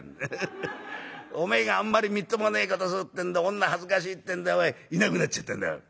おめえがあんまりみっともねえことするってんで女恥ずかしいってんでいなくなっちゃったんだろ」。